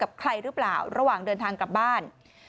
กับใครหรือเปล่าระหว่างเดินทางกลับบ้าน